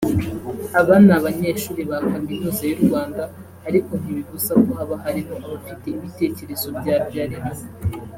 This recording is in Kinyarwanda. Aba ni abanyeshuri ba Kaminuza y’u Rwanda ariko ntibibuza ko haba harimo abafite ibitekerezo byabyara inyungu